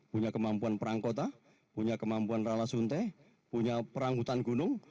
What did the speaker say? punya kemampuan perangkota punya kemampuan ralasuntai punya perang hutan gunung